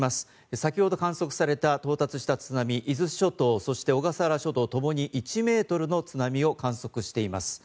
先ほど観測された到達した津波、伊豆諸島そして小笠原諸島ともに１ｍの津波を観測しています。